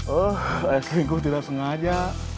oh selingkuh tidak sengaja